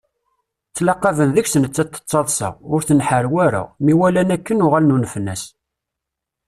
Ttlaqaben deg-s nettat tettaḍsa, ur tenḥerwa ara. Mi walan akken uɣalen unfen-as.